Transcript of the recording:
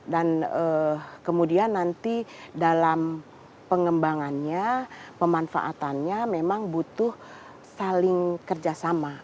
dan kemudian nanti dalam pengembangannya pemanfaatannya memang butuh saling kerjasama